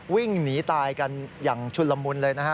วิ่งหนีตายกันอย่างชุนละมุนเลยนะฮะ